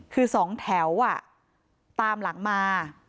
คือสองแถวตามหลังมา